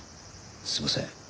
すみません。